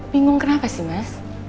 bingung kenapa sih mas